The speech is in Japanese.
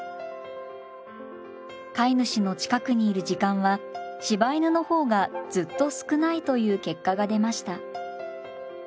飼い主の近くにいる時間は柴犬の方がずっと少ないという結果が出ました。